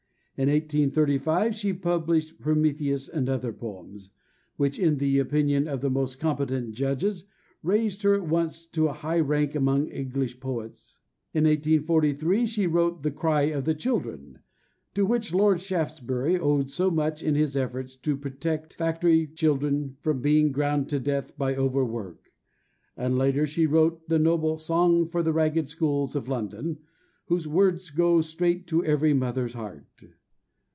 In 1835 she published Prometheus and other Poems, which, in the opinion of the most competent judges, raised her at once to a high rank among English poets. In 1843 she wrote The Cry of the Children, to which Lord Shaftesbury owed so much in his efforts to protect factory children from being ground to death by overwork; and later she wrote the noble "Song for the Ragged Schools of London," whose words go straight to every mother's heart.